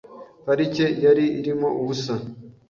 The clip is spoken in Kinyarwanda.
Parike yari irimo ubusa .